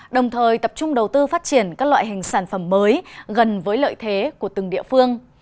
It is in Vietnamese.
đồng thời tập trung đầu tư phát triển các loại hình sản phẩm mới gần với lợi thế của từng địa phương